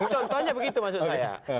contohnya begitu maksud saya